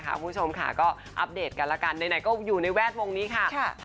คุณผู้ชมค่ะก็อัปเดตกันละกันไหนก็อยู่ในแวดวงนี้ค่ะ